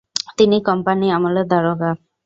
তিনি কোম্পানি আমলের দারোগা।